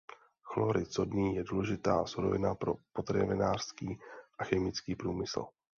Chlorid sodný je důležitá surovina pro potravinářský a chemický průmysl.